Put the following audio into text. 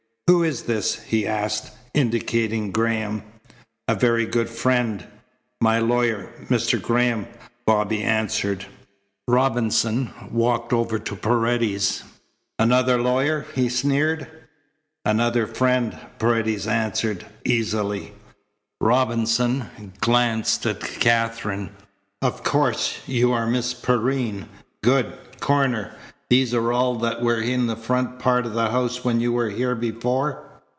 "Who is this?" he asked, indicating Graham. "A very good friend my lawyer, Mr. Graham," Bobby answered. Robinson walked over to Paredes. "Another lawyer?" he sneered. "Another friend," Paredes answered easily. Robinson glanced at Katherine. "Of course you are Miss Perrine. Good. Coroner, these are all that were in the front part of the house when you were here before?"